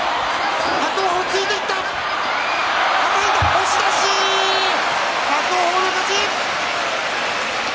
押し出し、伯桜鵬の勝ち。